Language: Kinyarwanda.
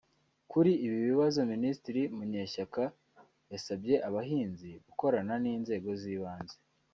Kuri ibi bibazo Minisitiri Munyeshyaka yasabye abahinzi gukorana n’inzego z’ibanze